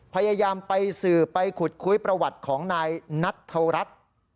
พยายามไปสื่อไปขุดคุยประวัติของนายนัทธวรัฐ